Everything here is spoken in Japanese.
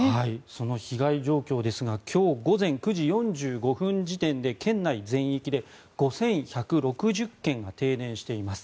その被害状況ですが今日午前９時４５分時点で県内全域で５１６０軒が停電しています。